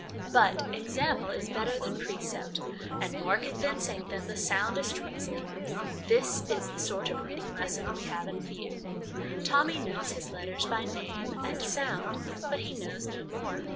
But example is better than precept, and more convincing than the soundest reasoning. This is the sort of reading lesson we have in view. Tommy knows his letters by name and sound, but he knows no more.